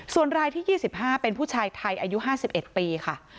ส่วนรายที่๒๕เป็นผู้ชายไทยอายุ๕๑ปีค่ะ